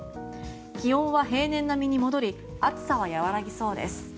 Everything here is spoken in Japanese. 気温は平年並みに戻り暑さは和らぎそうです。